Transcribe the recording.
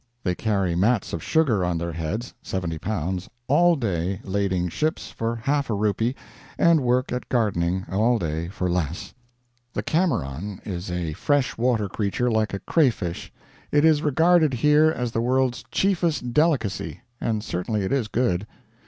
They carry mats of sugar on their heads (70 pounds) all day lading ships, for half a rupee, and work at gardening all day for less. The camaron is a fresh water creature like a cray fish. It is regarded here as the world's chiefest delicacy and certainly it is good.